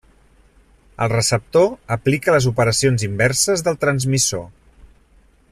El receptor aplica les operacions inverses del transmissor.